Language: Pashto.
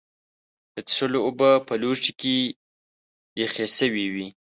د څښلو اوبه په لوښي کې یخې شوې وې.